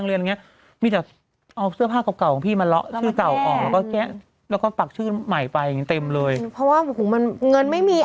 เงินไม่มีเอาพูดตรงเงินไม่มี